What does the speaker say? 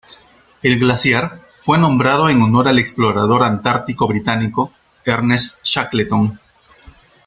El glaciar fue nombrado en honor al explorador antártico británico Ernest Shackleton.